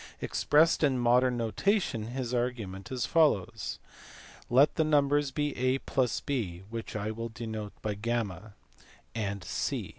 Expressed in modern notation his argument is as follows. Let the numbers be a + b (which I will denote by y) and c.